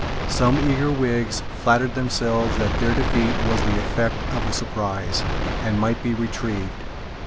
Some eager Whigs flattered themselves that their defeat was the effect of a surprise, and might be retrieved.